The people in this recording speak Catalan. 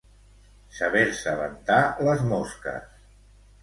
Saber-se ventar les mosques.